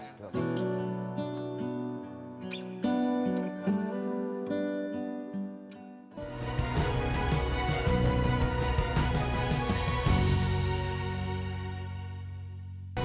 nah kemudian kita bisa lihat